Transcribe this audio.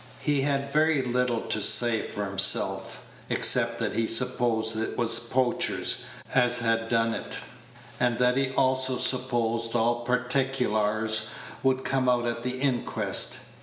He had very little to say for himself, except that he supposed it was poachers as had done it; and that he also supposed all particklars would come out at the inquest.